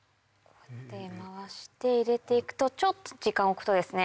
回して入れていくとちょっと時間を置くとですね。